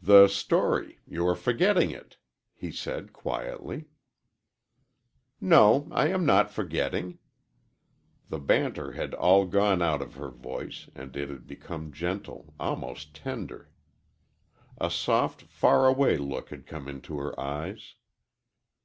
"The story you are forgetting it," he said, quietly. "No, I am not forgetting." The banter had all gone out of her voice, and it had become gentle almost tender. A soft, far away look had come into her eyes.